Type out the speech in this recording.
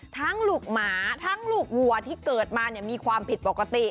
ลูกหมาทั้งลูกวัวที่เกิดมามีความผิดปกติ